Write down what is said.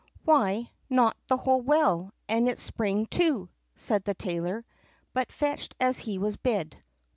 "Why not the whole well, and its spring, too?" said the tailor, but fetched as he was bid.